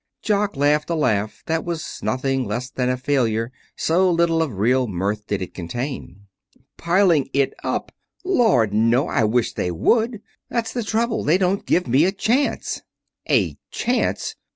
Jock laughed a laugh that was nothing less than a failure, so little of real mirth did it contain. "Piling it up! Lord, no! I wish they would. That's the trouble. They don't give me a chance." "A chance!